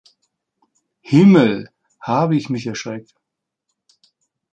Himmel, habe ich mich erschreckt!